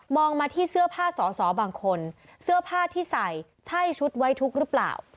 มาที่เสื้อผ้าสอสอบางคนเสื้อผ้าที่ใส่ใช่ชุดไว้ทุกข์หรือเปล่า